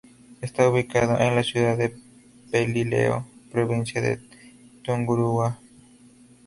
Está ubicado en la ciudad de Pelileo, provincia de Tungurahua.